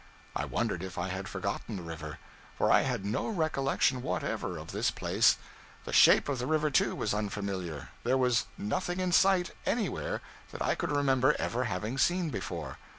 I wondered if I had forgotten the river; for I had no recollection whatever of this place; the shape of the river, too, was unfamiliar; there was nothing in sight, anywhere, that I could remember ever having seen before.